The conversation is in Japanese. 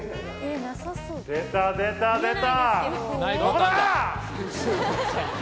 出た出た出た！